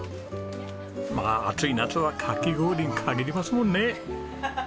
まあ暑い夏はかき氷に限りますもんね。